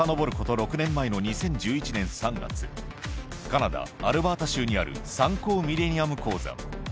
６年前の２０１１年３月カナダアルバータ州にあるサンコー・ミレニアム鉱山